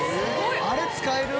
あれ使える？